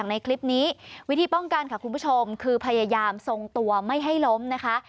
ในคลิปนี้วิธีป้องกันค่ะคุณผู้ชมคือพยายามทรงตัวไม่ให้ล้มนะคะ